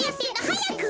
はやく。